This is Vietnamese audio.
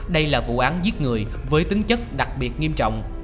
đây là vụ án giết người với tính chất đặc biệt nghiêm trọng